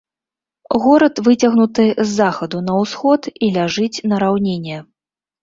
Горад выцягнуты з захаду на ўсход і ляжыць на раўніне.